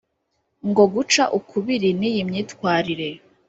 ngo guca ukubiri n’iyi myitwarire